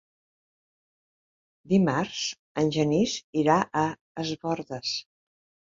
Dimarts en Genís irà a Es Bòrdes.